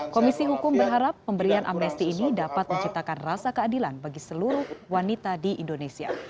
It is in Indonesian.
komisi hukum berharap pemberian amnesti ini dapat menciptakan rasa keadilan bagi seluruh wanita di indonesia